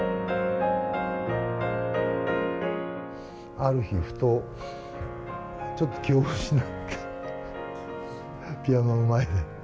ある日、ふと、ちょっと気を失って、ピアノの前で。